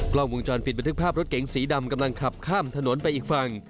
กล้องวงจรปิดบันทึกภาพรถเก๋งสีดำกำลังขับข้ามถนนไปอีกฝั่ง